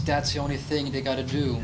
dan itu saja yang mereka harus lakukan